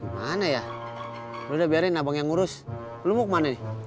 mana ya lu udah biarin abang yang ngurus lu mau kemana nih